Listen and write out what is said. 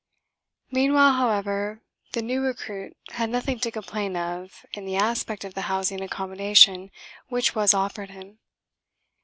Meanwhile, however, the new recruit had nothing to complain of in the aspect of the housing accommodation which was offered him.